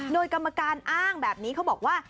โดยกรรมการอ้างแบบนี้เขาบอกว่า